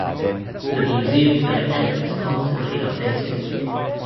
The museum collection is constantly updated.